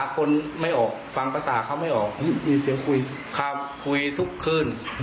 คาพคุยทุกคืน